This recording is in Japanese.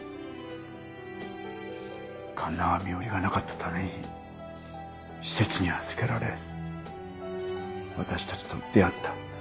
環奈は身寄りがなかったために施設に預けられ私たちと出会った。